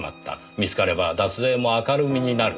見つかれば脱税も明るみになる。